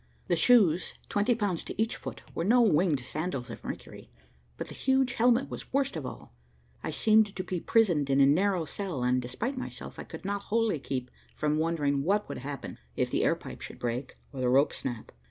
The shoes, twenty pounds to each foot, were no winged sandals of Mercury, but the huge helmet was worst of all. I seemed to be prisoned in a narrow cell and, despite myself, I could not wholly keep from wondering what would happen, if the air pipe should break, or the rope snap.